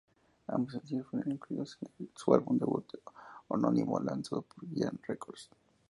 Ambos sencillos fueron incluidos en su álbum debut homónimo lanzado por Giant Records.